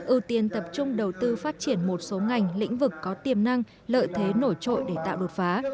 ưu tiên tập trung đầu tư phát triển một số ngành lĩnh vực có tiềm năng lợi thế nổi trội để tạo đột phá